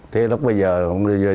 thế lúc bây giờ